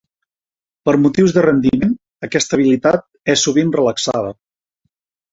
Per motius de rendiment, aquesta habilitat és sovint relaxada.